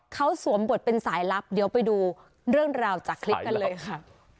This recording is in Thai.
เขาสวมบทเป็นสายลับเดี๋ยวไปดูเรื่องราวจากคลิปกันเลยค่ะ